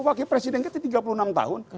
wakil presiden kita tiga puluh enam tahun